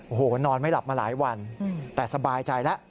โอ้โหนอนไม่หลับมาหลายวันแต่สบายใจแล้ว